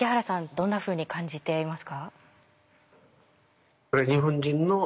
どんなふうに感じていますか？